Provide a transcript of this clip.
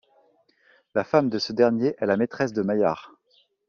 La femme de ce dernier est la maîtresse de Maillard.